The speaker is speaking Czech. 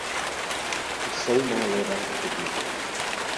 Jsou málo reaktivní.